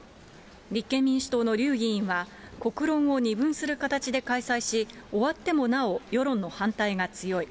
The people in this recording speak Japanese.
立憲民主党の笠議員は、国論を二分する形で開催し、終わってもなお、世論の反対が強い。